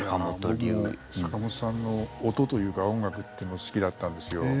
僕も坂本さんの音というか音楽っていうの好きだったんですよ。